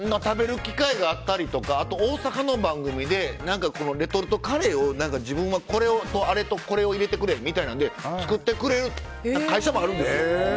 食べる機会があったりとかあと、大阪の番組でレトルトカレーを自分はこれとあれとこれを入れてくれみたいな感じで作ってくれる会社もあるんですよ。